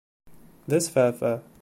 D asfaɛfaɛ!